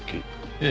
ええ。